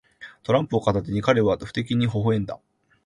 トランプを片手に、彼は不敵にほほ笑んだ。